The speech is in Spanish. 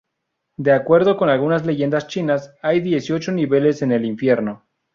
De acuerdo con algunas leyendas chinas, hay dieciocho niveles en el infierno.